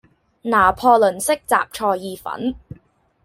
拿破崙式什菜意粉